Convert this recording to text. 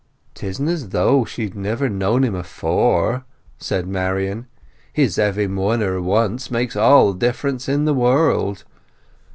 "'Tisn't as though she had never known him afore," said Marian. "His having won her once makes all the difference in the world.